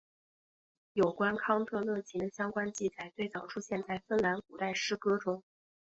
有关康特勒琴的相关记载最早出现在芬兰古代诗歌中。